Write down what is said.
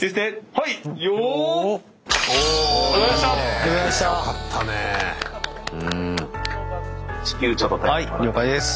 はい了解です。